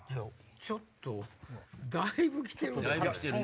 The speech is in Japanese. ちょっとだいぶ来てるね。